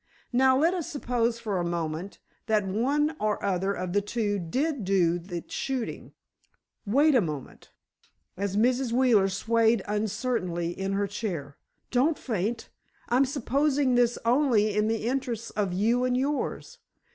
Now, let us suppose for a moment, that one or other of the two did do the shooting—wait a moment!" as Mrs. Wheeler swayed uncertainly in her chair. "Don't faint. I'm supposing this only in the interests of you and yours.